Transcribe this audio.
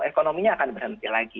ekonominya akan berhenti lagi